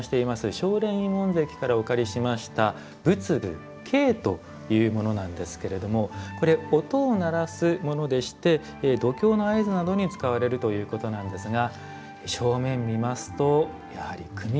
青蓮院門跡からお借りしました仏具磬というものなんですけれどもこれ音を鳴らすものでして読経の合図などに使われるということなんですが正面見ますとやはり組みひもが使われています。